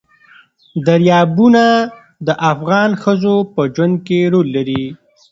دریابونه د افغان ښځو په ژوند کې رول لري.